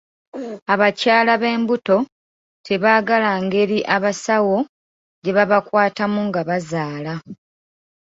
Abakyala b'embuto tebaagala ngeri abasawo gye babakwatamu nga bazaala.